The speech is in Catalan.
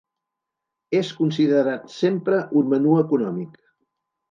És considerat sempre un menú econòmic.